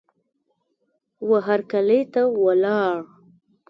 وهرکلې ته ولاړ